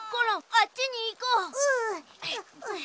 あっちにいこう。